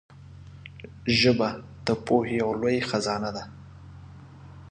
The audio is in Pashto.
ژبه د پوهې یو لوی خزانه ده